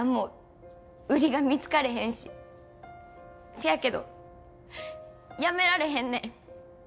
せやけどやめられへんねん。